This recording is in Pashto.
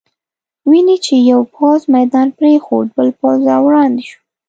وینې چې یو پوځ میدان پرېښود، بل پوځ را وړاندې شو.